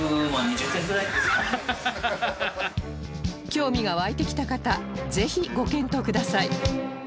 興味が湧いてきた方ぜひご検討ください